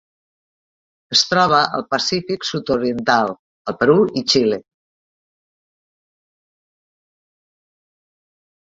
Es troba al Pacífic sud-oriental: el Perú i Xile.